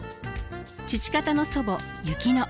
父方の祖母薫乃。